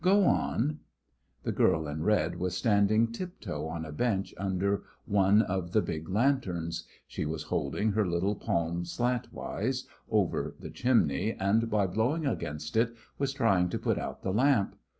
"Go on." The girl in red was standing tiptoe on a bench under one of the big lanterns. She was holding her little palm slantwise over the chimney, and by blowing against it was trying to put out the lamp.